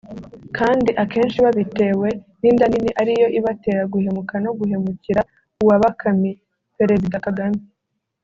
kandi akenshi babitewe n’inda nini ariyo ibatera guhemuka no guhemukira uwabakamiye (Perezida Kagame)